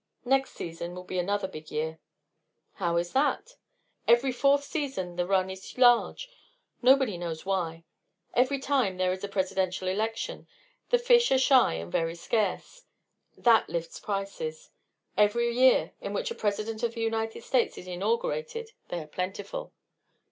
Next season will be another big year." "How is that?" "Every fourth season the run is large; nobody knows why. Every time there is a Presidential election the fish are shy and very scarce; that lifts prices. Every year in which a President of the United States is inaugurated they are plentiful."